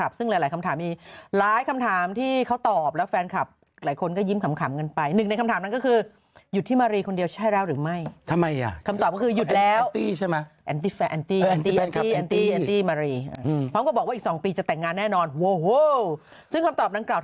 บอกว่าอีกสองปีจะแต่งงานแน่นอนโว้วซึ่งคำตอบนางกล่าว